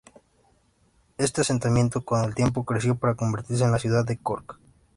Este asentamiento con el tiempo creció para convertirse en la ciudad de Cork.